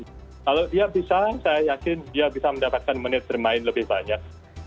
kalau dia bisa saya yakin dia bisa mendapatkan menit bermain lebih banyak